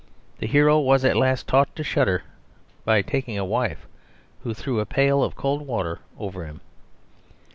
The hero was at last taught to shudder by taking a wife, who threw a pail of cold water over him.